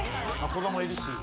子どもいるし。